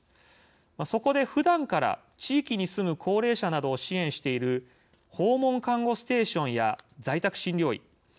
そこで普段から地域に住む高齢者などを支援している訪問看護ステーションや在宅診療医